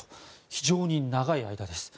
非常に長い間です。